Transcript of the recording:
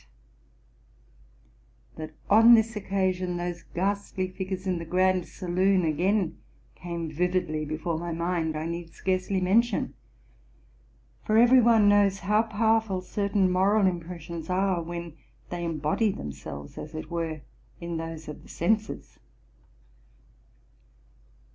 That, on this occasion, those ghastly figures in the grand saloon again came vividly before my mind, I need scarcely mention ; for every one knows how powerful certain moral impressions are when they embody themselves, as it were, in those of the senses.